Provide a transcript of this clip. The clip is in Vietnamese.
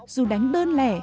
dù đánh đơn lẻ